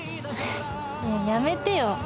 やめてよ！